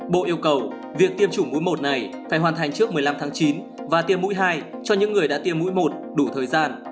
bộ yêu cầu việc tiêm chủng cúi i này phải hoàn thành trước một mươi năm tháng chín và tiêm mũi hai cho những người đã tiêm mũi một đủ thời gian